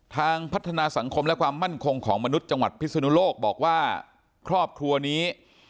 ทางพัฒนาสังคมและความมั่นคงของมนุษย์จังหวัดพิศนุโลกบอกว่าครอบครัวนี้